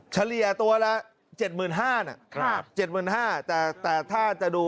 เฉลี่ยตัวละ๗๕๐๐๐บาท